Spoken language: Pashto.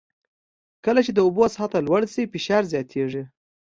کله چې د اوبو سطحه لوړه شي فشار زیاتېږي.